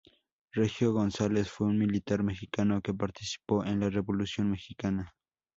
Regino González fue un militar mexicano que participó en la Revolución mexicana.